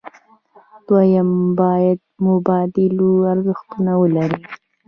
دویم باید مبادلوي ارزښت ولري.